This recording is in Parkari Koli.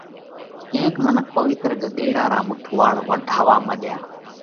ڪينڪ منک پوَيتر ڳۮيڙا را مٿُوئاۯ واڍوا مڏيا،